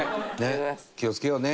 気を付けようね。